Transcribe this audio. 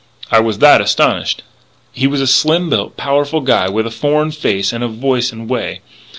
I was that astonished. "He was a slim built, powerful guy with a foreign face and voice and way.